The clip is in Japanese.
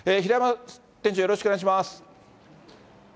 よろしくお願いします。